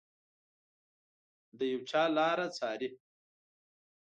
د یو چا لاره څاري